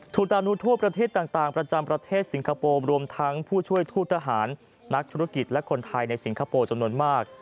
ตานุทั่วประเทศต่างประจำประเทศสิงคโปร์รวมทั้งผู้ช่วยทูตทหารนักธุรกิจและคนไทยในสิงคโปร์จำนวนมาก